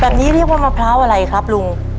เรียกว่ามะพร้าวอะไรครับลุง